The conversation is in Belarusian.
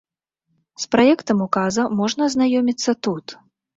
З праектам указа можна азнаёміцца тут.